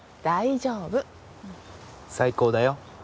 大丈夫最高だよ